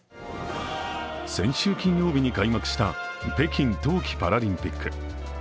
先週金曜日に開幕した北京冬季パラリンピック。